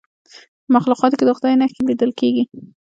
په مخلوقاتو کې د خدای نښې لیدل کیږي.